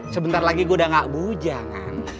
sebentar lagi gue udah gak bujang